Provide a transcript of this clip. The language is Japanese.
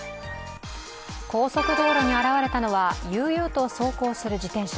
高速道路に現れたのは、悠々と走行する自転車。